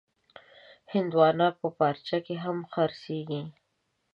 هندوانه په پارچه کې هم خرڅېږي.